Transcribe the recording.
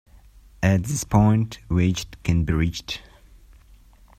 At this point, wajd can be reached.